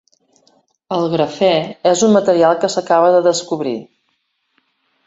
El grafè és un material que s'acaba de descobrir.